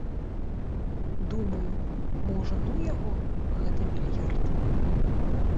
Думаю, можа, ну яго, гэты мільярд?